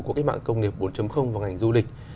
các mạng công nghiệp bốn vào ngành du lịch